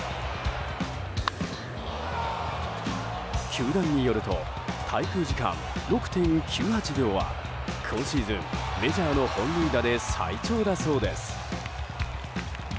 球団によると滞空時間６．９８秒は今シーズン、メジャーの本塁打で最長だそうです。